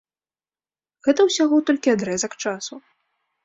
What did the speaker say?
Гэта ўсяго толькі адрэзак часу.